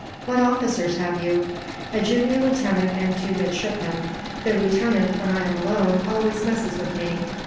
"What officers have you?" "A junior lieutenant, and two midshipmen. The lieutenant, when I am alone, always messes with me.